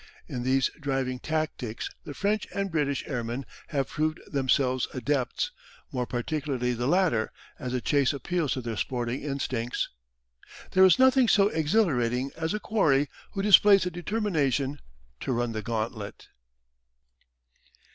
In these driving tactics the French and British airmen have proved themselves adepts, more particularly the latter, as the chase appeals to their sporting instincts. There is nothing so exhilarating as a quarry who displays a determination to run the gauntlet.